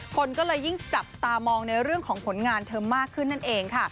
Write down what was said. คนก็เลยยิ่งจับตามองในเรื่องของผลงานเธอมากขึ้นนั่นเองค่ะ